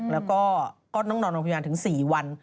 แล้วก็ก็ต้องนอนโรงพยาบาลถึง๔วัน